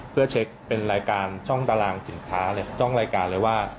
เพื่อเช็คเป็นรายการช่องตารางสินค้าเลยช่องรายการเลยว่า